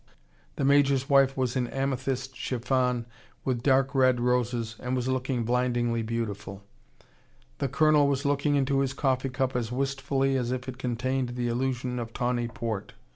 The Major's wife was in amethyst chiffon with dark red roses, and was looking blindingly beautiful. The Colonel was looking into his coffee cup as wistfully as if it contained the illusion of tawny port.